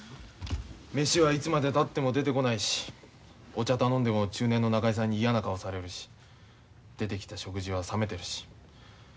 飯はいつまでたっても出てこないしお茶頼んでも中年の仲居さんに嫌な顔されるし出てきた食事は冷めてるし。